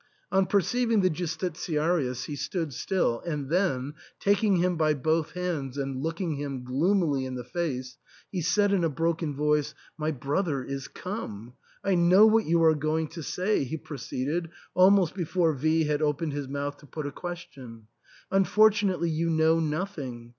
On perceiving the Jus titiarius he stood still, and then, taking him by both hands and looking him gloomily in the face, he said in a broken voice, " My brother is come. I know what you are going to say," he proceeded almost before V had opened his mouth to put a question. " Un fortunately you know nothing.